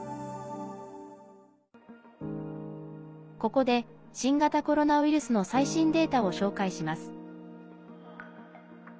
ここで新型コロナウイルスの最新データを紹介します。